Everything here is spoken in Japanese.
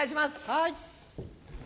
はい。